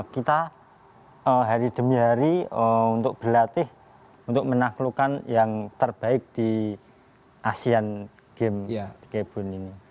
kita hari demi hari untuk berlatih untuk menaklukkan yang terbaik di asean games di kebun ini